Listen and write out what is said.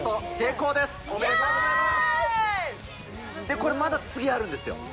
これまだ次あるんですよ。